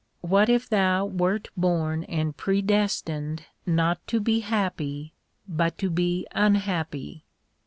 " what if thou wert born and predestined not to" be happy, but to be unhappy